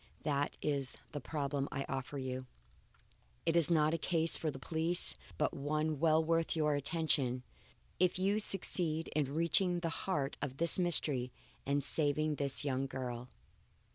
That is the problem I offer you. It is not a case for the police but one well worth your attention, if you succeed in reaching the heart of this mystery and saving this young girl.